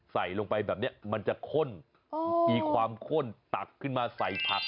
ใส่ลงไปแบบนี้มันจะข้นมีความข้นตักขึ้นมาใส่ผัก